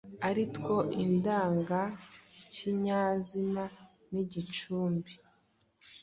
ari two indangakinyazina n’igicumbi;